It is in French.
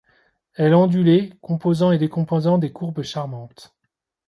Elle ondulait, composant et décomposant des courbes charmantes.